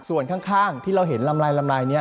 ส่วนข้างที่เราเห็นลำลายนี้